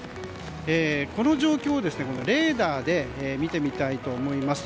この状況をレーダーで見てみたいと思います。